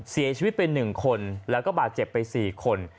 เสียชีวิตไป๑คนแล้วก็บาดเจ็บไป๔คน